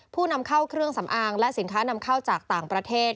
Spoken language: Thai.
ผู้นำเข้าเครื่องสำอางและสินค้านำเข้าจากต่างประเทศ